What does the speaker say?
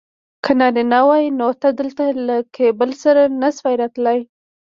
که نارینه وای نو ته دلته له کیبل سره نه شوای راتلای.